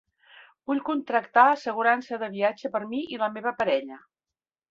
Vull contractar assegurança de viatge per mi i la meva parella.